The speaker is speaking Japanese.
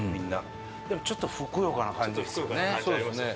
ちょっとふくよかな感じですよね。